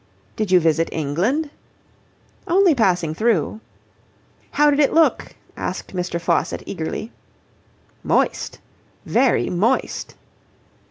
"Did you visit England?" "Only passing through." "How did it look?" asked Mr. Faucitt eagerly. "Moist. Very moist."